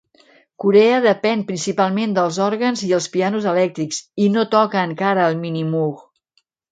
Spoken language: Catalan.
Corea depèn principalment dels òrgans i els pianos elèctrics, i no toca encara el Minimoog.